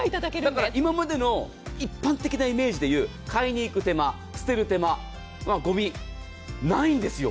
だから今までの一般的なイメージでいう買いに行く手間捨てる手間、ゴミないんですよ。